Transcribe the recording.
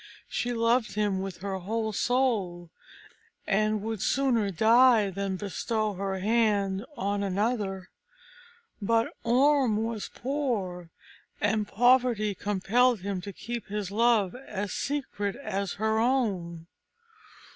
She loved him with her whole soul, and would sooner die than bestow her hand on another. But Orm was poor, and poverty compelled him to keep his love as secret as her own.